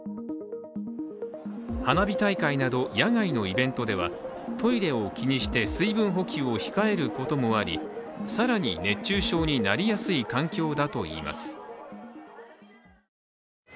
花火大会など野外のイベントではトイレを気にして、水分補給を控えることもあり、更に熱中症になりやすい環境だといいます。